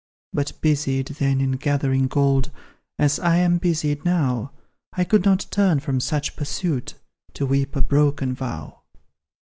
But busied, then, in gathering gold, As I am busied now, I could not turn from such pursuit, To weep a broken vow.